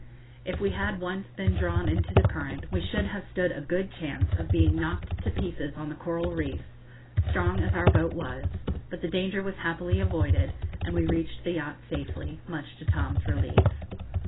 If we had once been drawn into the current, we should have stood a good chance of being knocked to pieces on the coral reefs, strong as our boat was; but the danger was happily avoided, and we reached the yacht safely, much to Tom's relief.